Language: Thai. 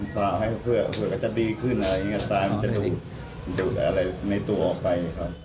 ตาให้เพื่อก็จะดีขึ้นตาจะดูดอะไรในตัวออกไป